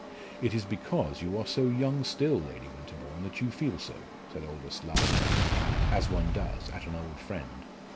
"It is because you are so young still, Lady Winterbourne, that you feel so," said Aldous, laughing at her, as one does at an old friend.